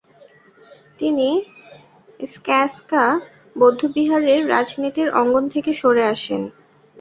তিনি সা-স্ক্যা বৌদ্ধবিহারের রাজনীতির অঙ্গন থেকে সরে আসেন।